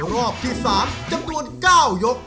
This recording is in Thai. รอบที่๓จำนวน๙ยก